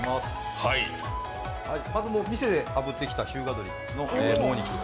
まず、店であぶってきた日向鶏のもも肉。